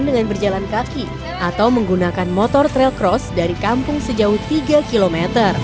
dengan berjalan kaki atau menggunakan motor trail cross dari kampung sejauh tiga km